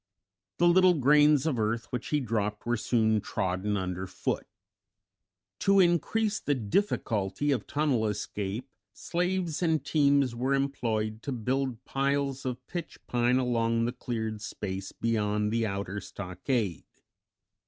The little grains of earth which he dropped were soon trodden under foot. To increase the difficulty of tunnel escape, slaves and teams were employed to build piles of pitch pine along the cleared space beyond the outer stockade.